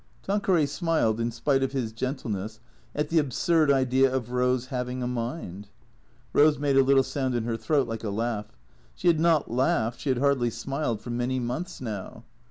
Tanqueray smiled, in spite of his gentleness, at the absurd idea of Eose having a mind. Eose made a little sound in her throat like a laugh. She had not laughed, she had hardly smiled, for many months now.